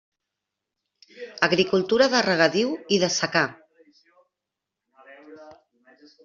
Agricultura de regadiu i de secà.